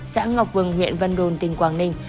xã ngọc vường huyện văn đồn tỉnh quảng ninh